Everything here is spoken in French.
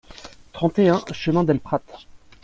trente et un chemin del Prat